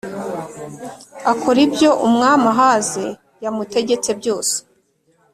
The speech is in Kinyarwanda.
Akora ibyo umwami ahazi yamutegetse byose